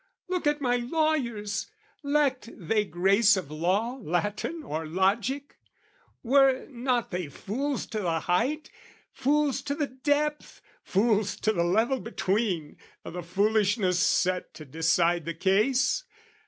Look at my lawyers, lacked they grace of law, Latin or logic? Were not they fools to the height, Fools to the depth, fools to the level between, O' the foolishness set to decide the case?